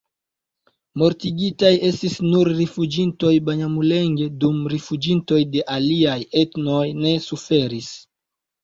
Mortigitaj estis nur rifuĝintoj-banjamulenge, dum rifuĝintoj de aliaj etnoj ne suferis.